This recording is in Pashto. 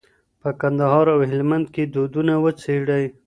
په کندهار او هلمند کې دودونه وڅېړئ.